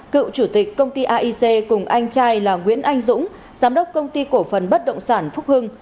cựu chủ tịch công ty aic cùng anh trai là nguyễn anh dũng giám đốc công ty cổ phần bất động sản phúc hưng